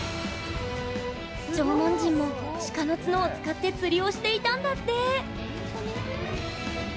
縄文人も鹿の角を使って釣りをしていたんだって。